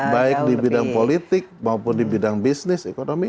baik di bidang politik maupun di bidang bisnis ekonomi